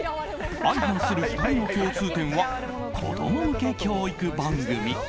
相反する２人の共通点は子供向け教育番組。